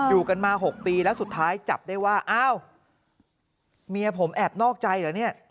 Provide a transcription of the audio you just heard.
อยู่กันมา๖ปีแล้วสุดท้ายจับได้ว่าอ้าวเมียผมแอบนอกใจเหรอเนี่ย